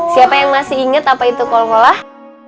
siapa yang masih inget apa itu kolkolah